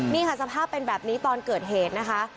นี่ค่ะสภาพเป็นแบบนี้ตอนเกิดเหตุนะคะ